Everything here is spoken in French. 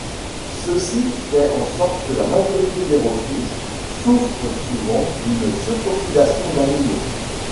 Ceci fait en sorte que la majorité des refuges souffrent souvent d'une surpopulation d'animaux.